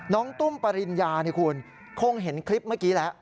น้องตุ้มปริญญาคงเห็นคลิปเมื่อกี้แล้ว